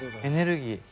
エネルギー。